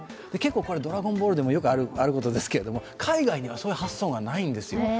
これ、「ドラゴンボール」でもあることですけれども、海外にはそういう発想がないんですよ。